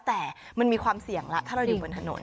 แต่มันมีความเสี่ยงแล้วถ้าเราอยู่บนถนน